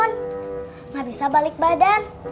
nggak bisa balik badan